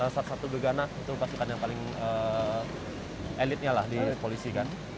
satu satu gegana itu pasukan yang paling elitnya lah di polisi kan